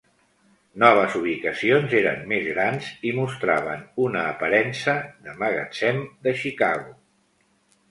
Noves ubicacions eren més grans i mostraven una aparença de "magatzem de Chicago".